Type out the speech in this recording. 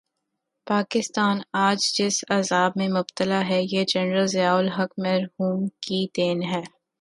پاکستان آج جس عذاب میں مبتلا ہے، یہ جنرل ضیاء الحق مرحوم کی دین ہے۔